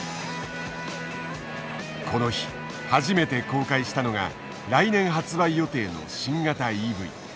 この日初めて公開したのが来年発売予定の新型ＥＶ。